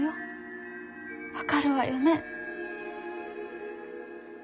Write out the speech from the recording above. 分かるわよね。